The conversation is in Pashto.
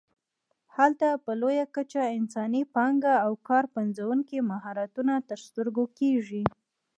هلته په لویه کچه انساني پانګه او کار پنځوونکي مهارتونه تر سترګو کېږي.